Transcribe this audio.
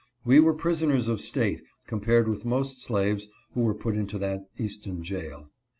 We were prisoners of state compared with most slaves who were put into that Easton jail.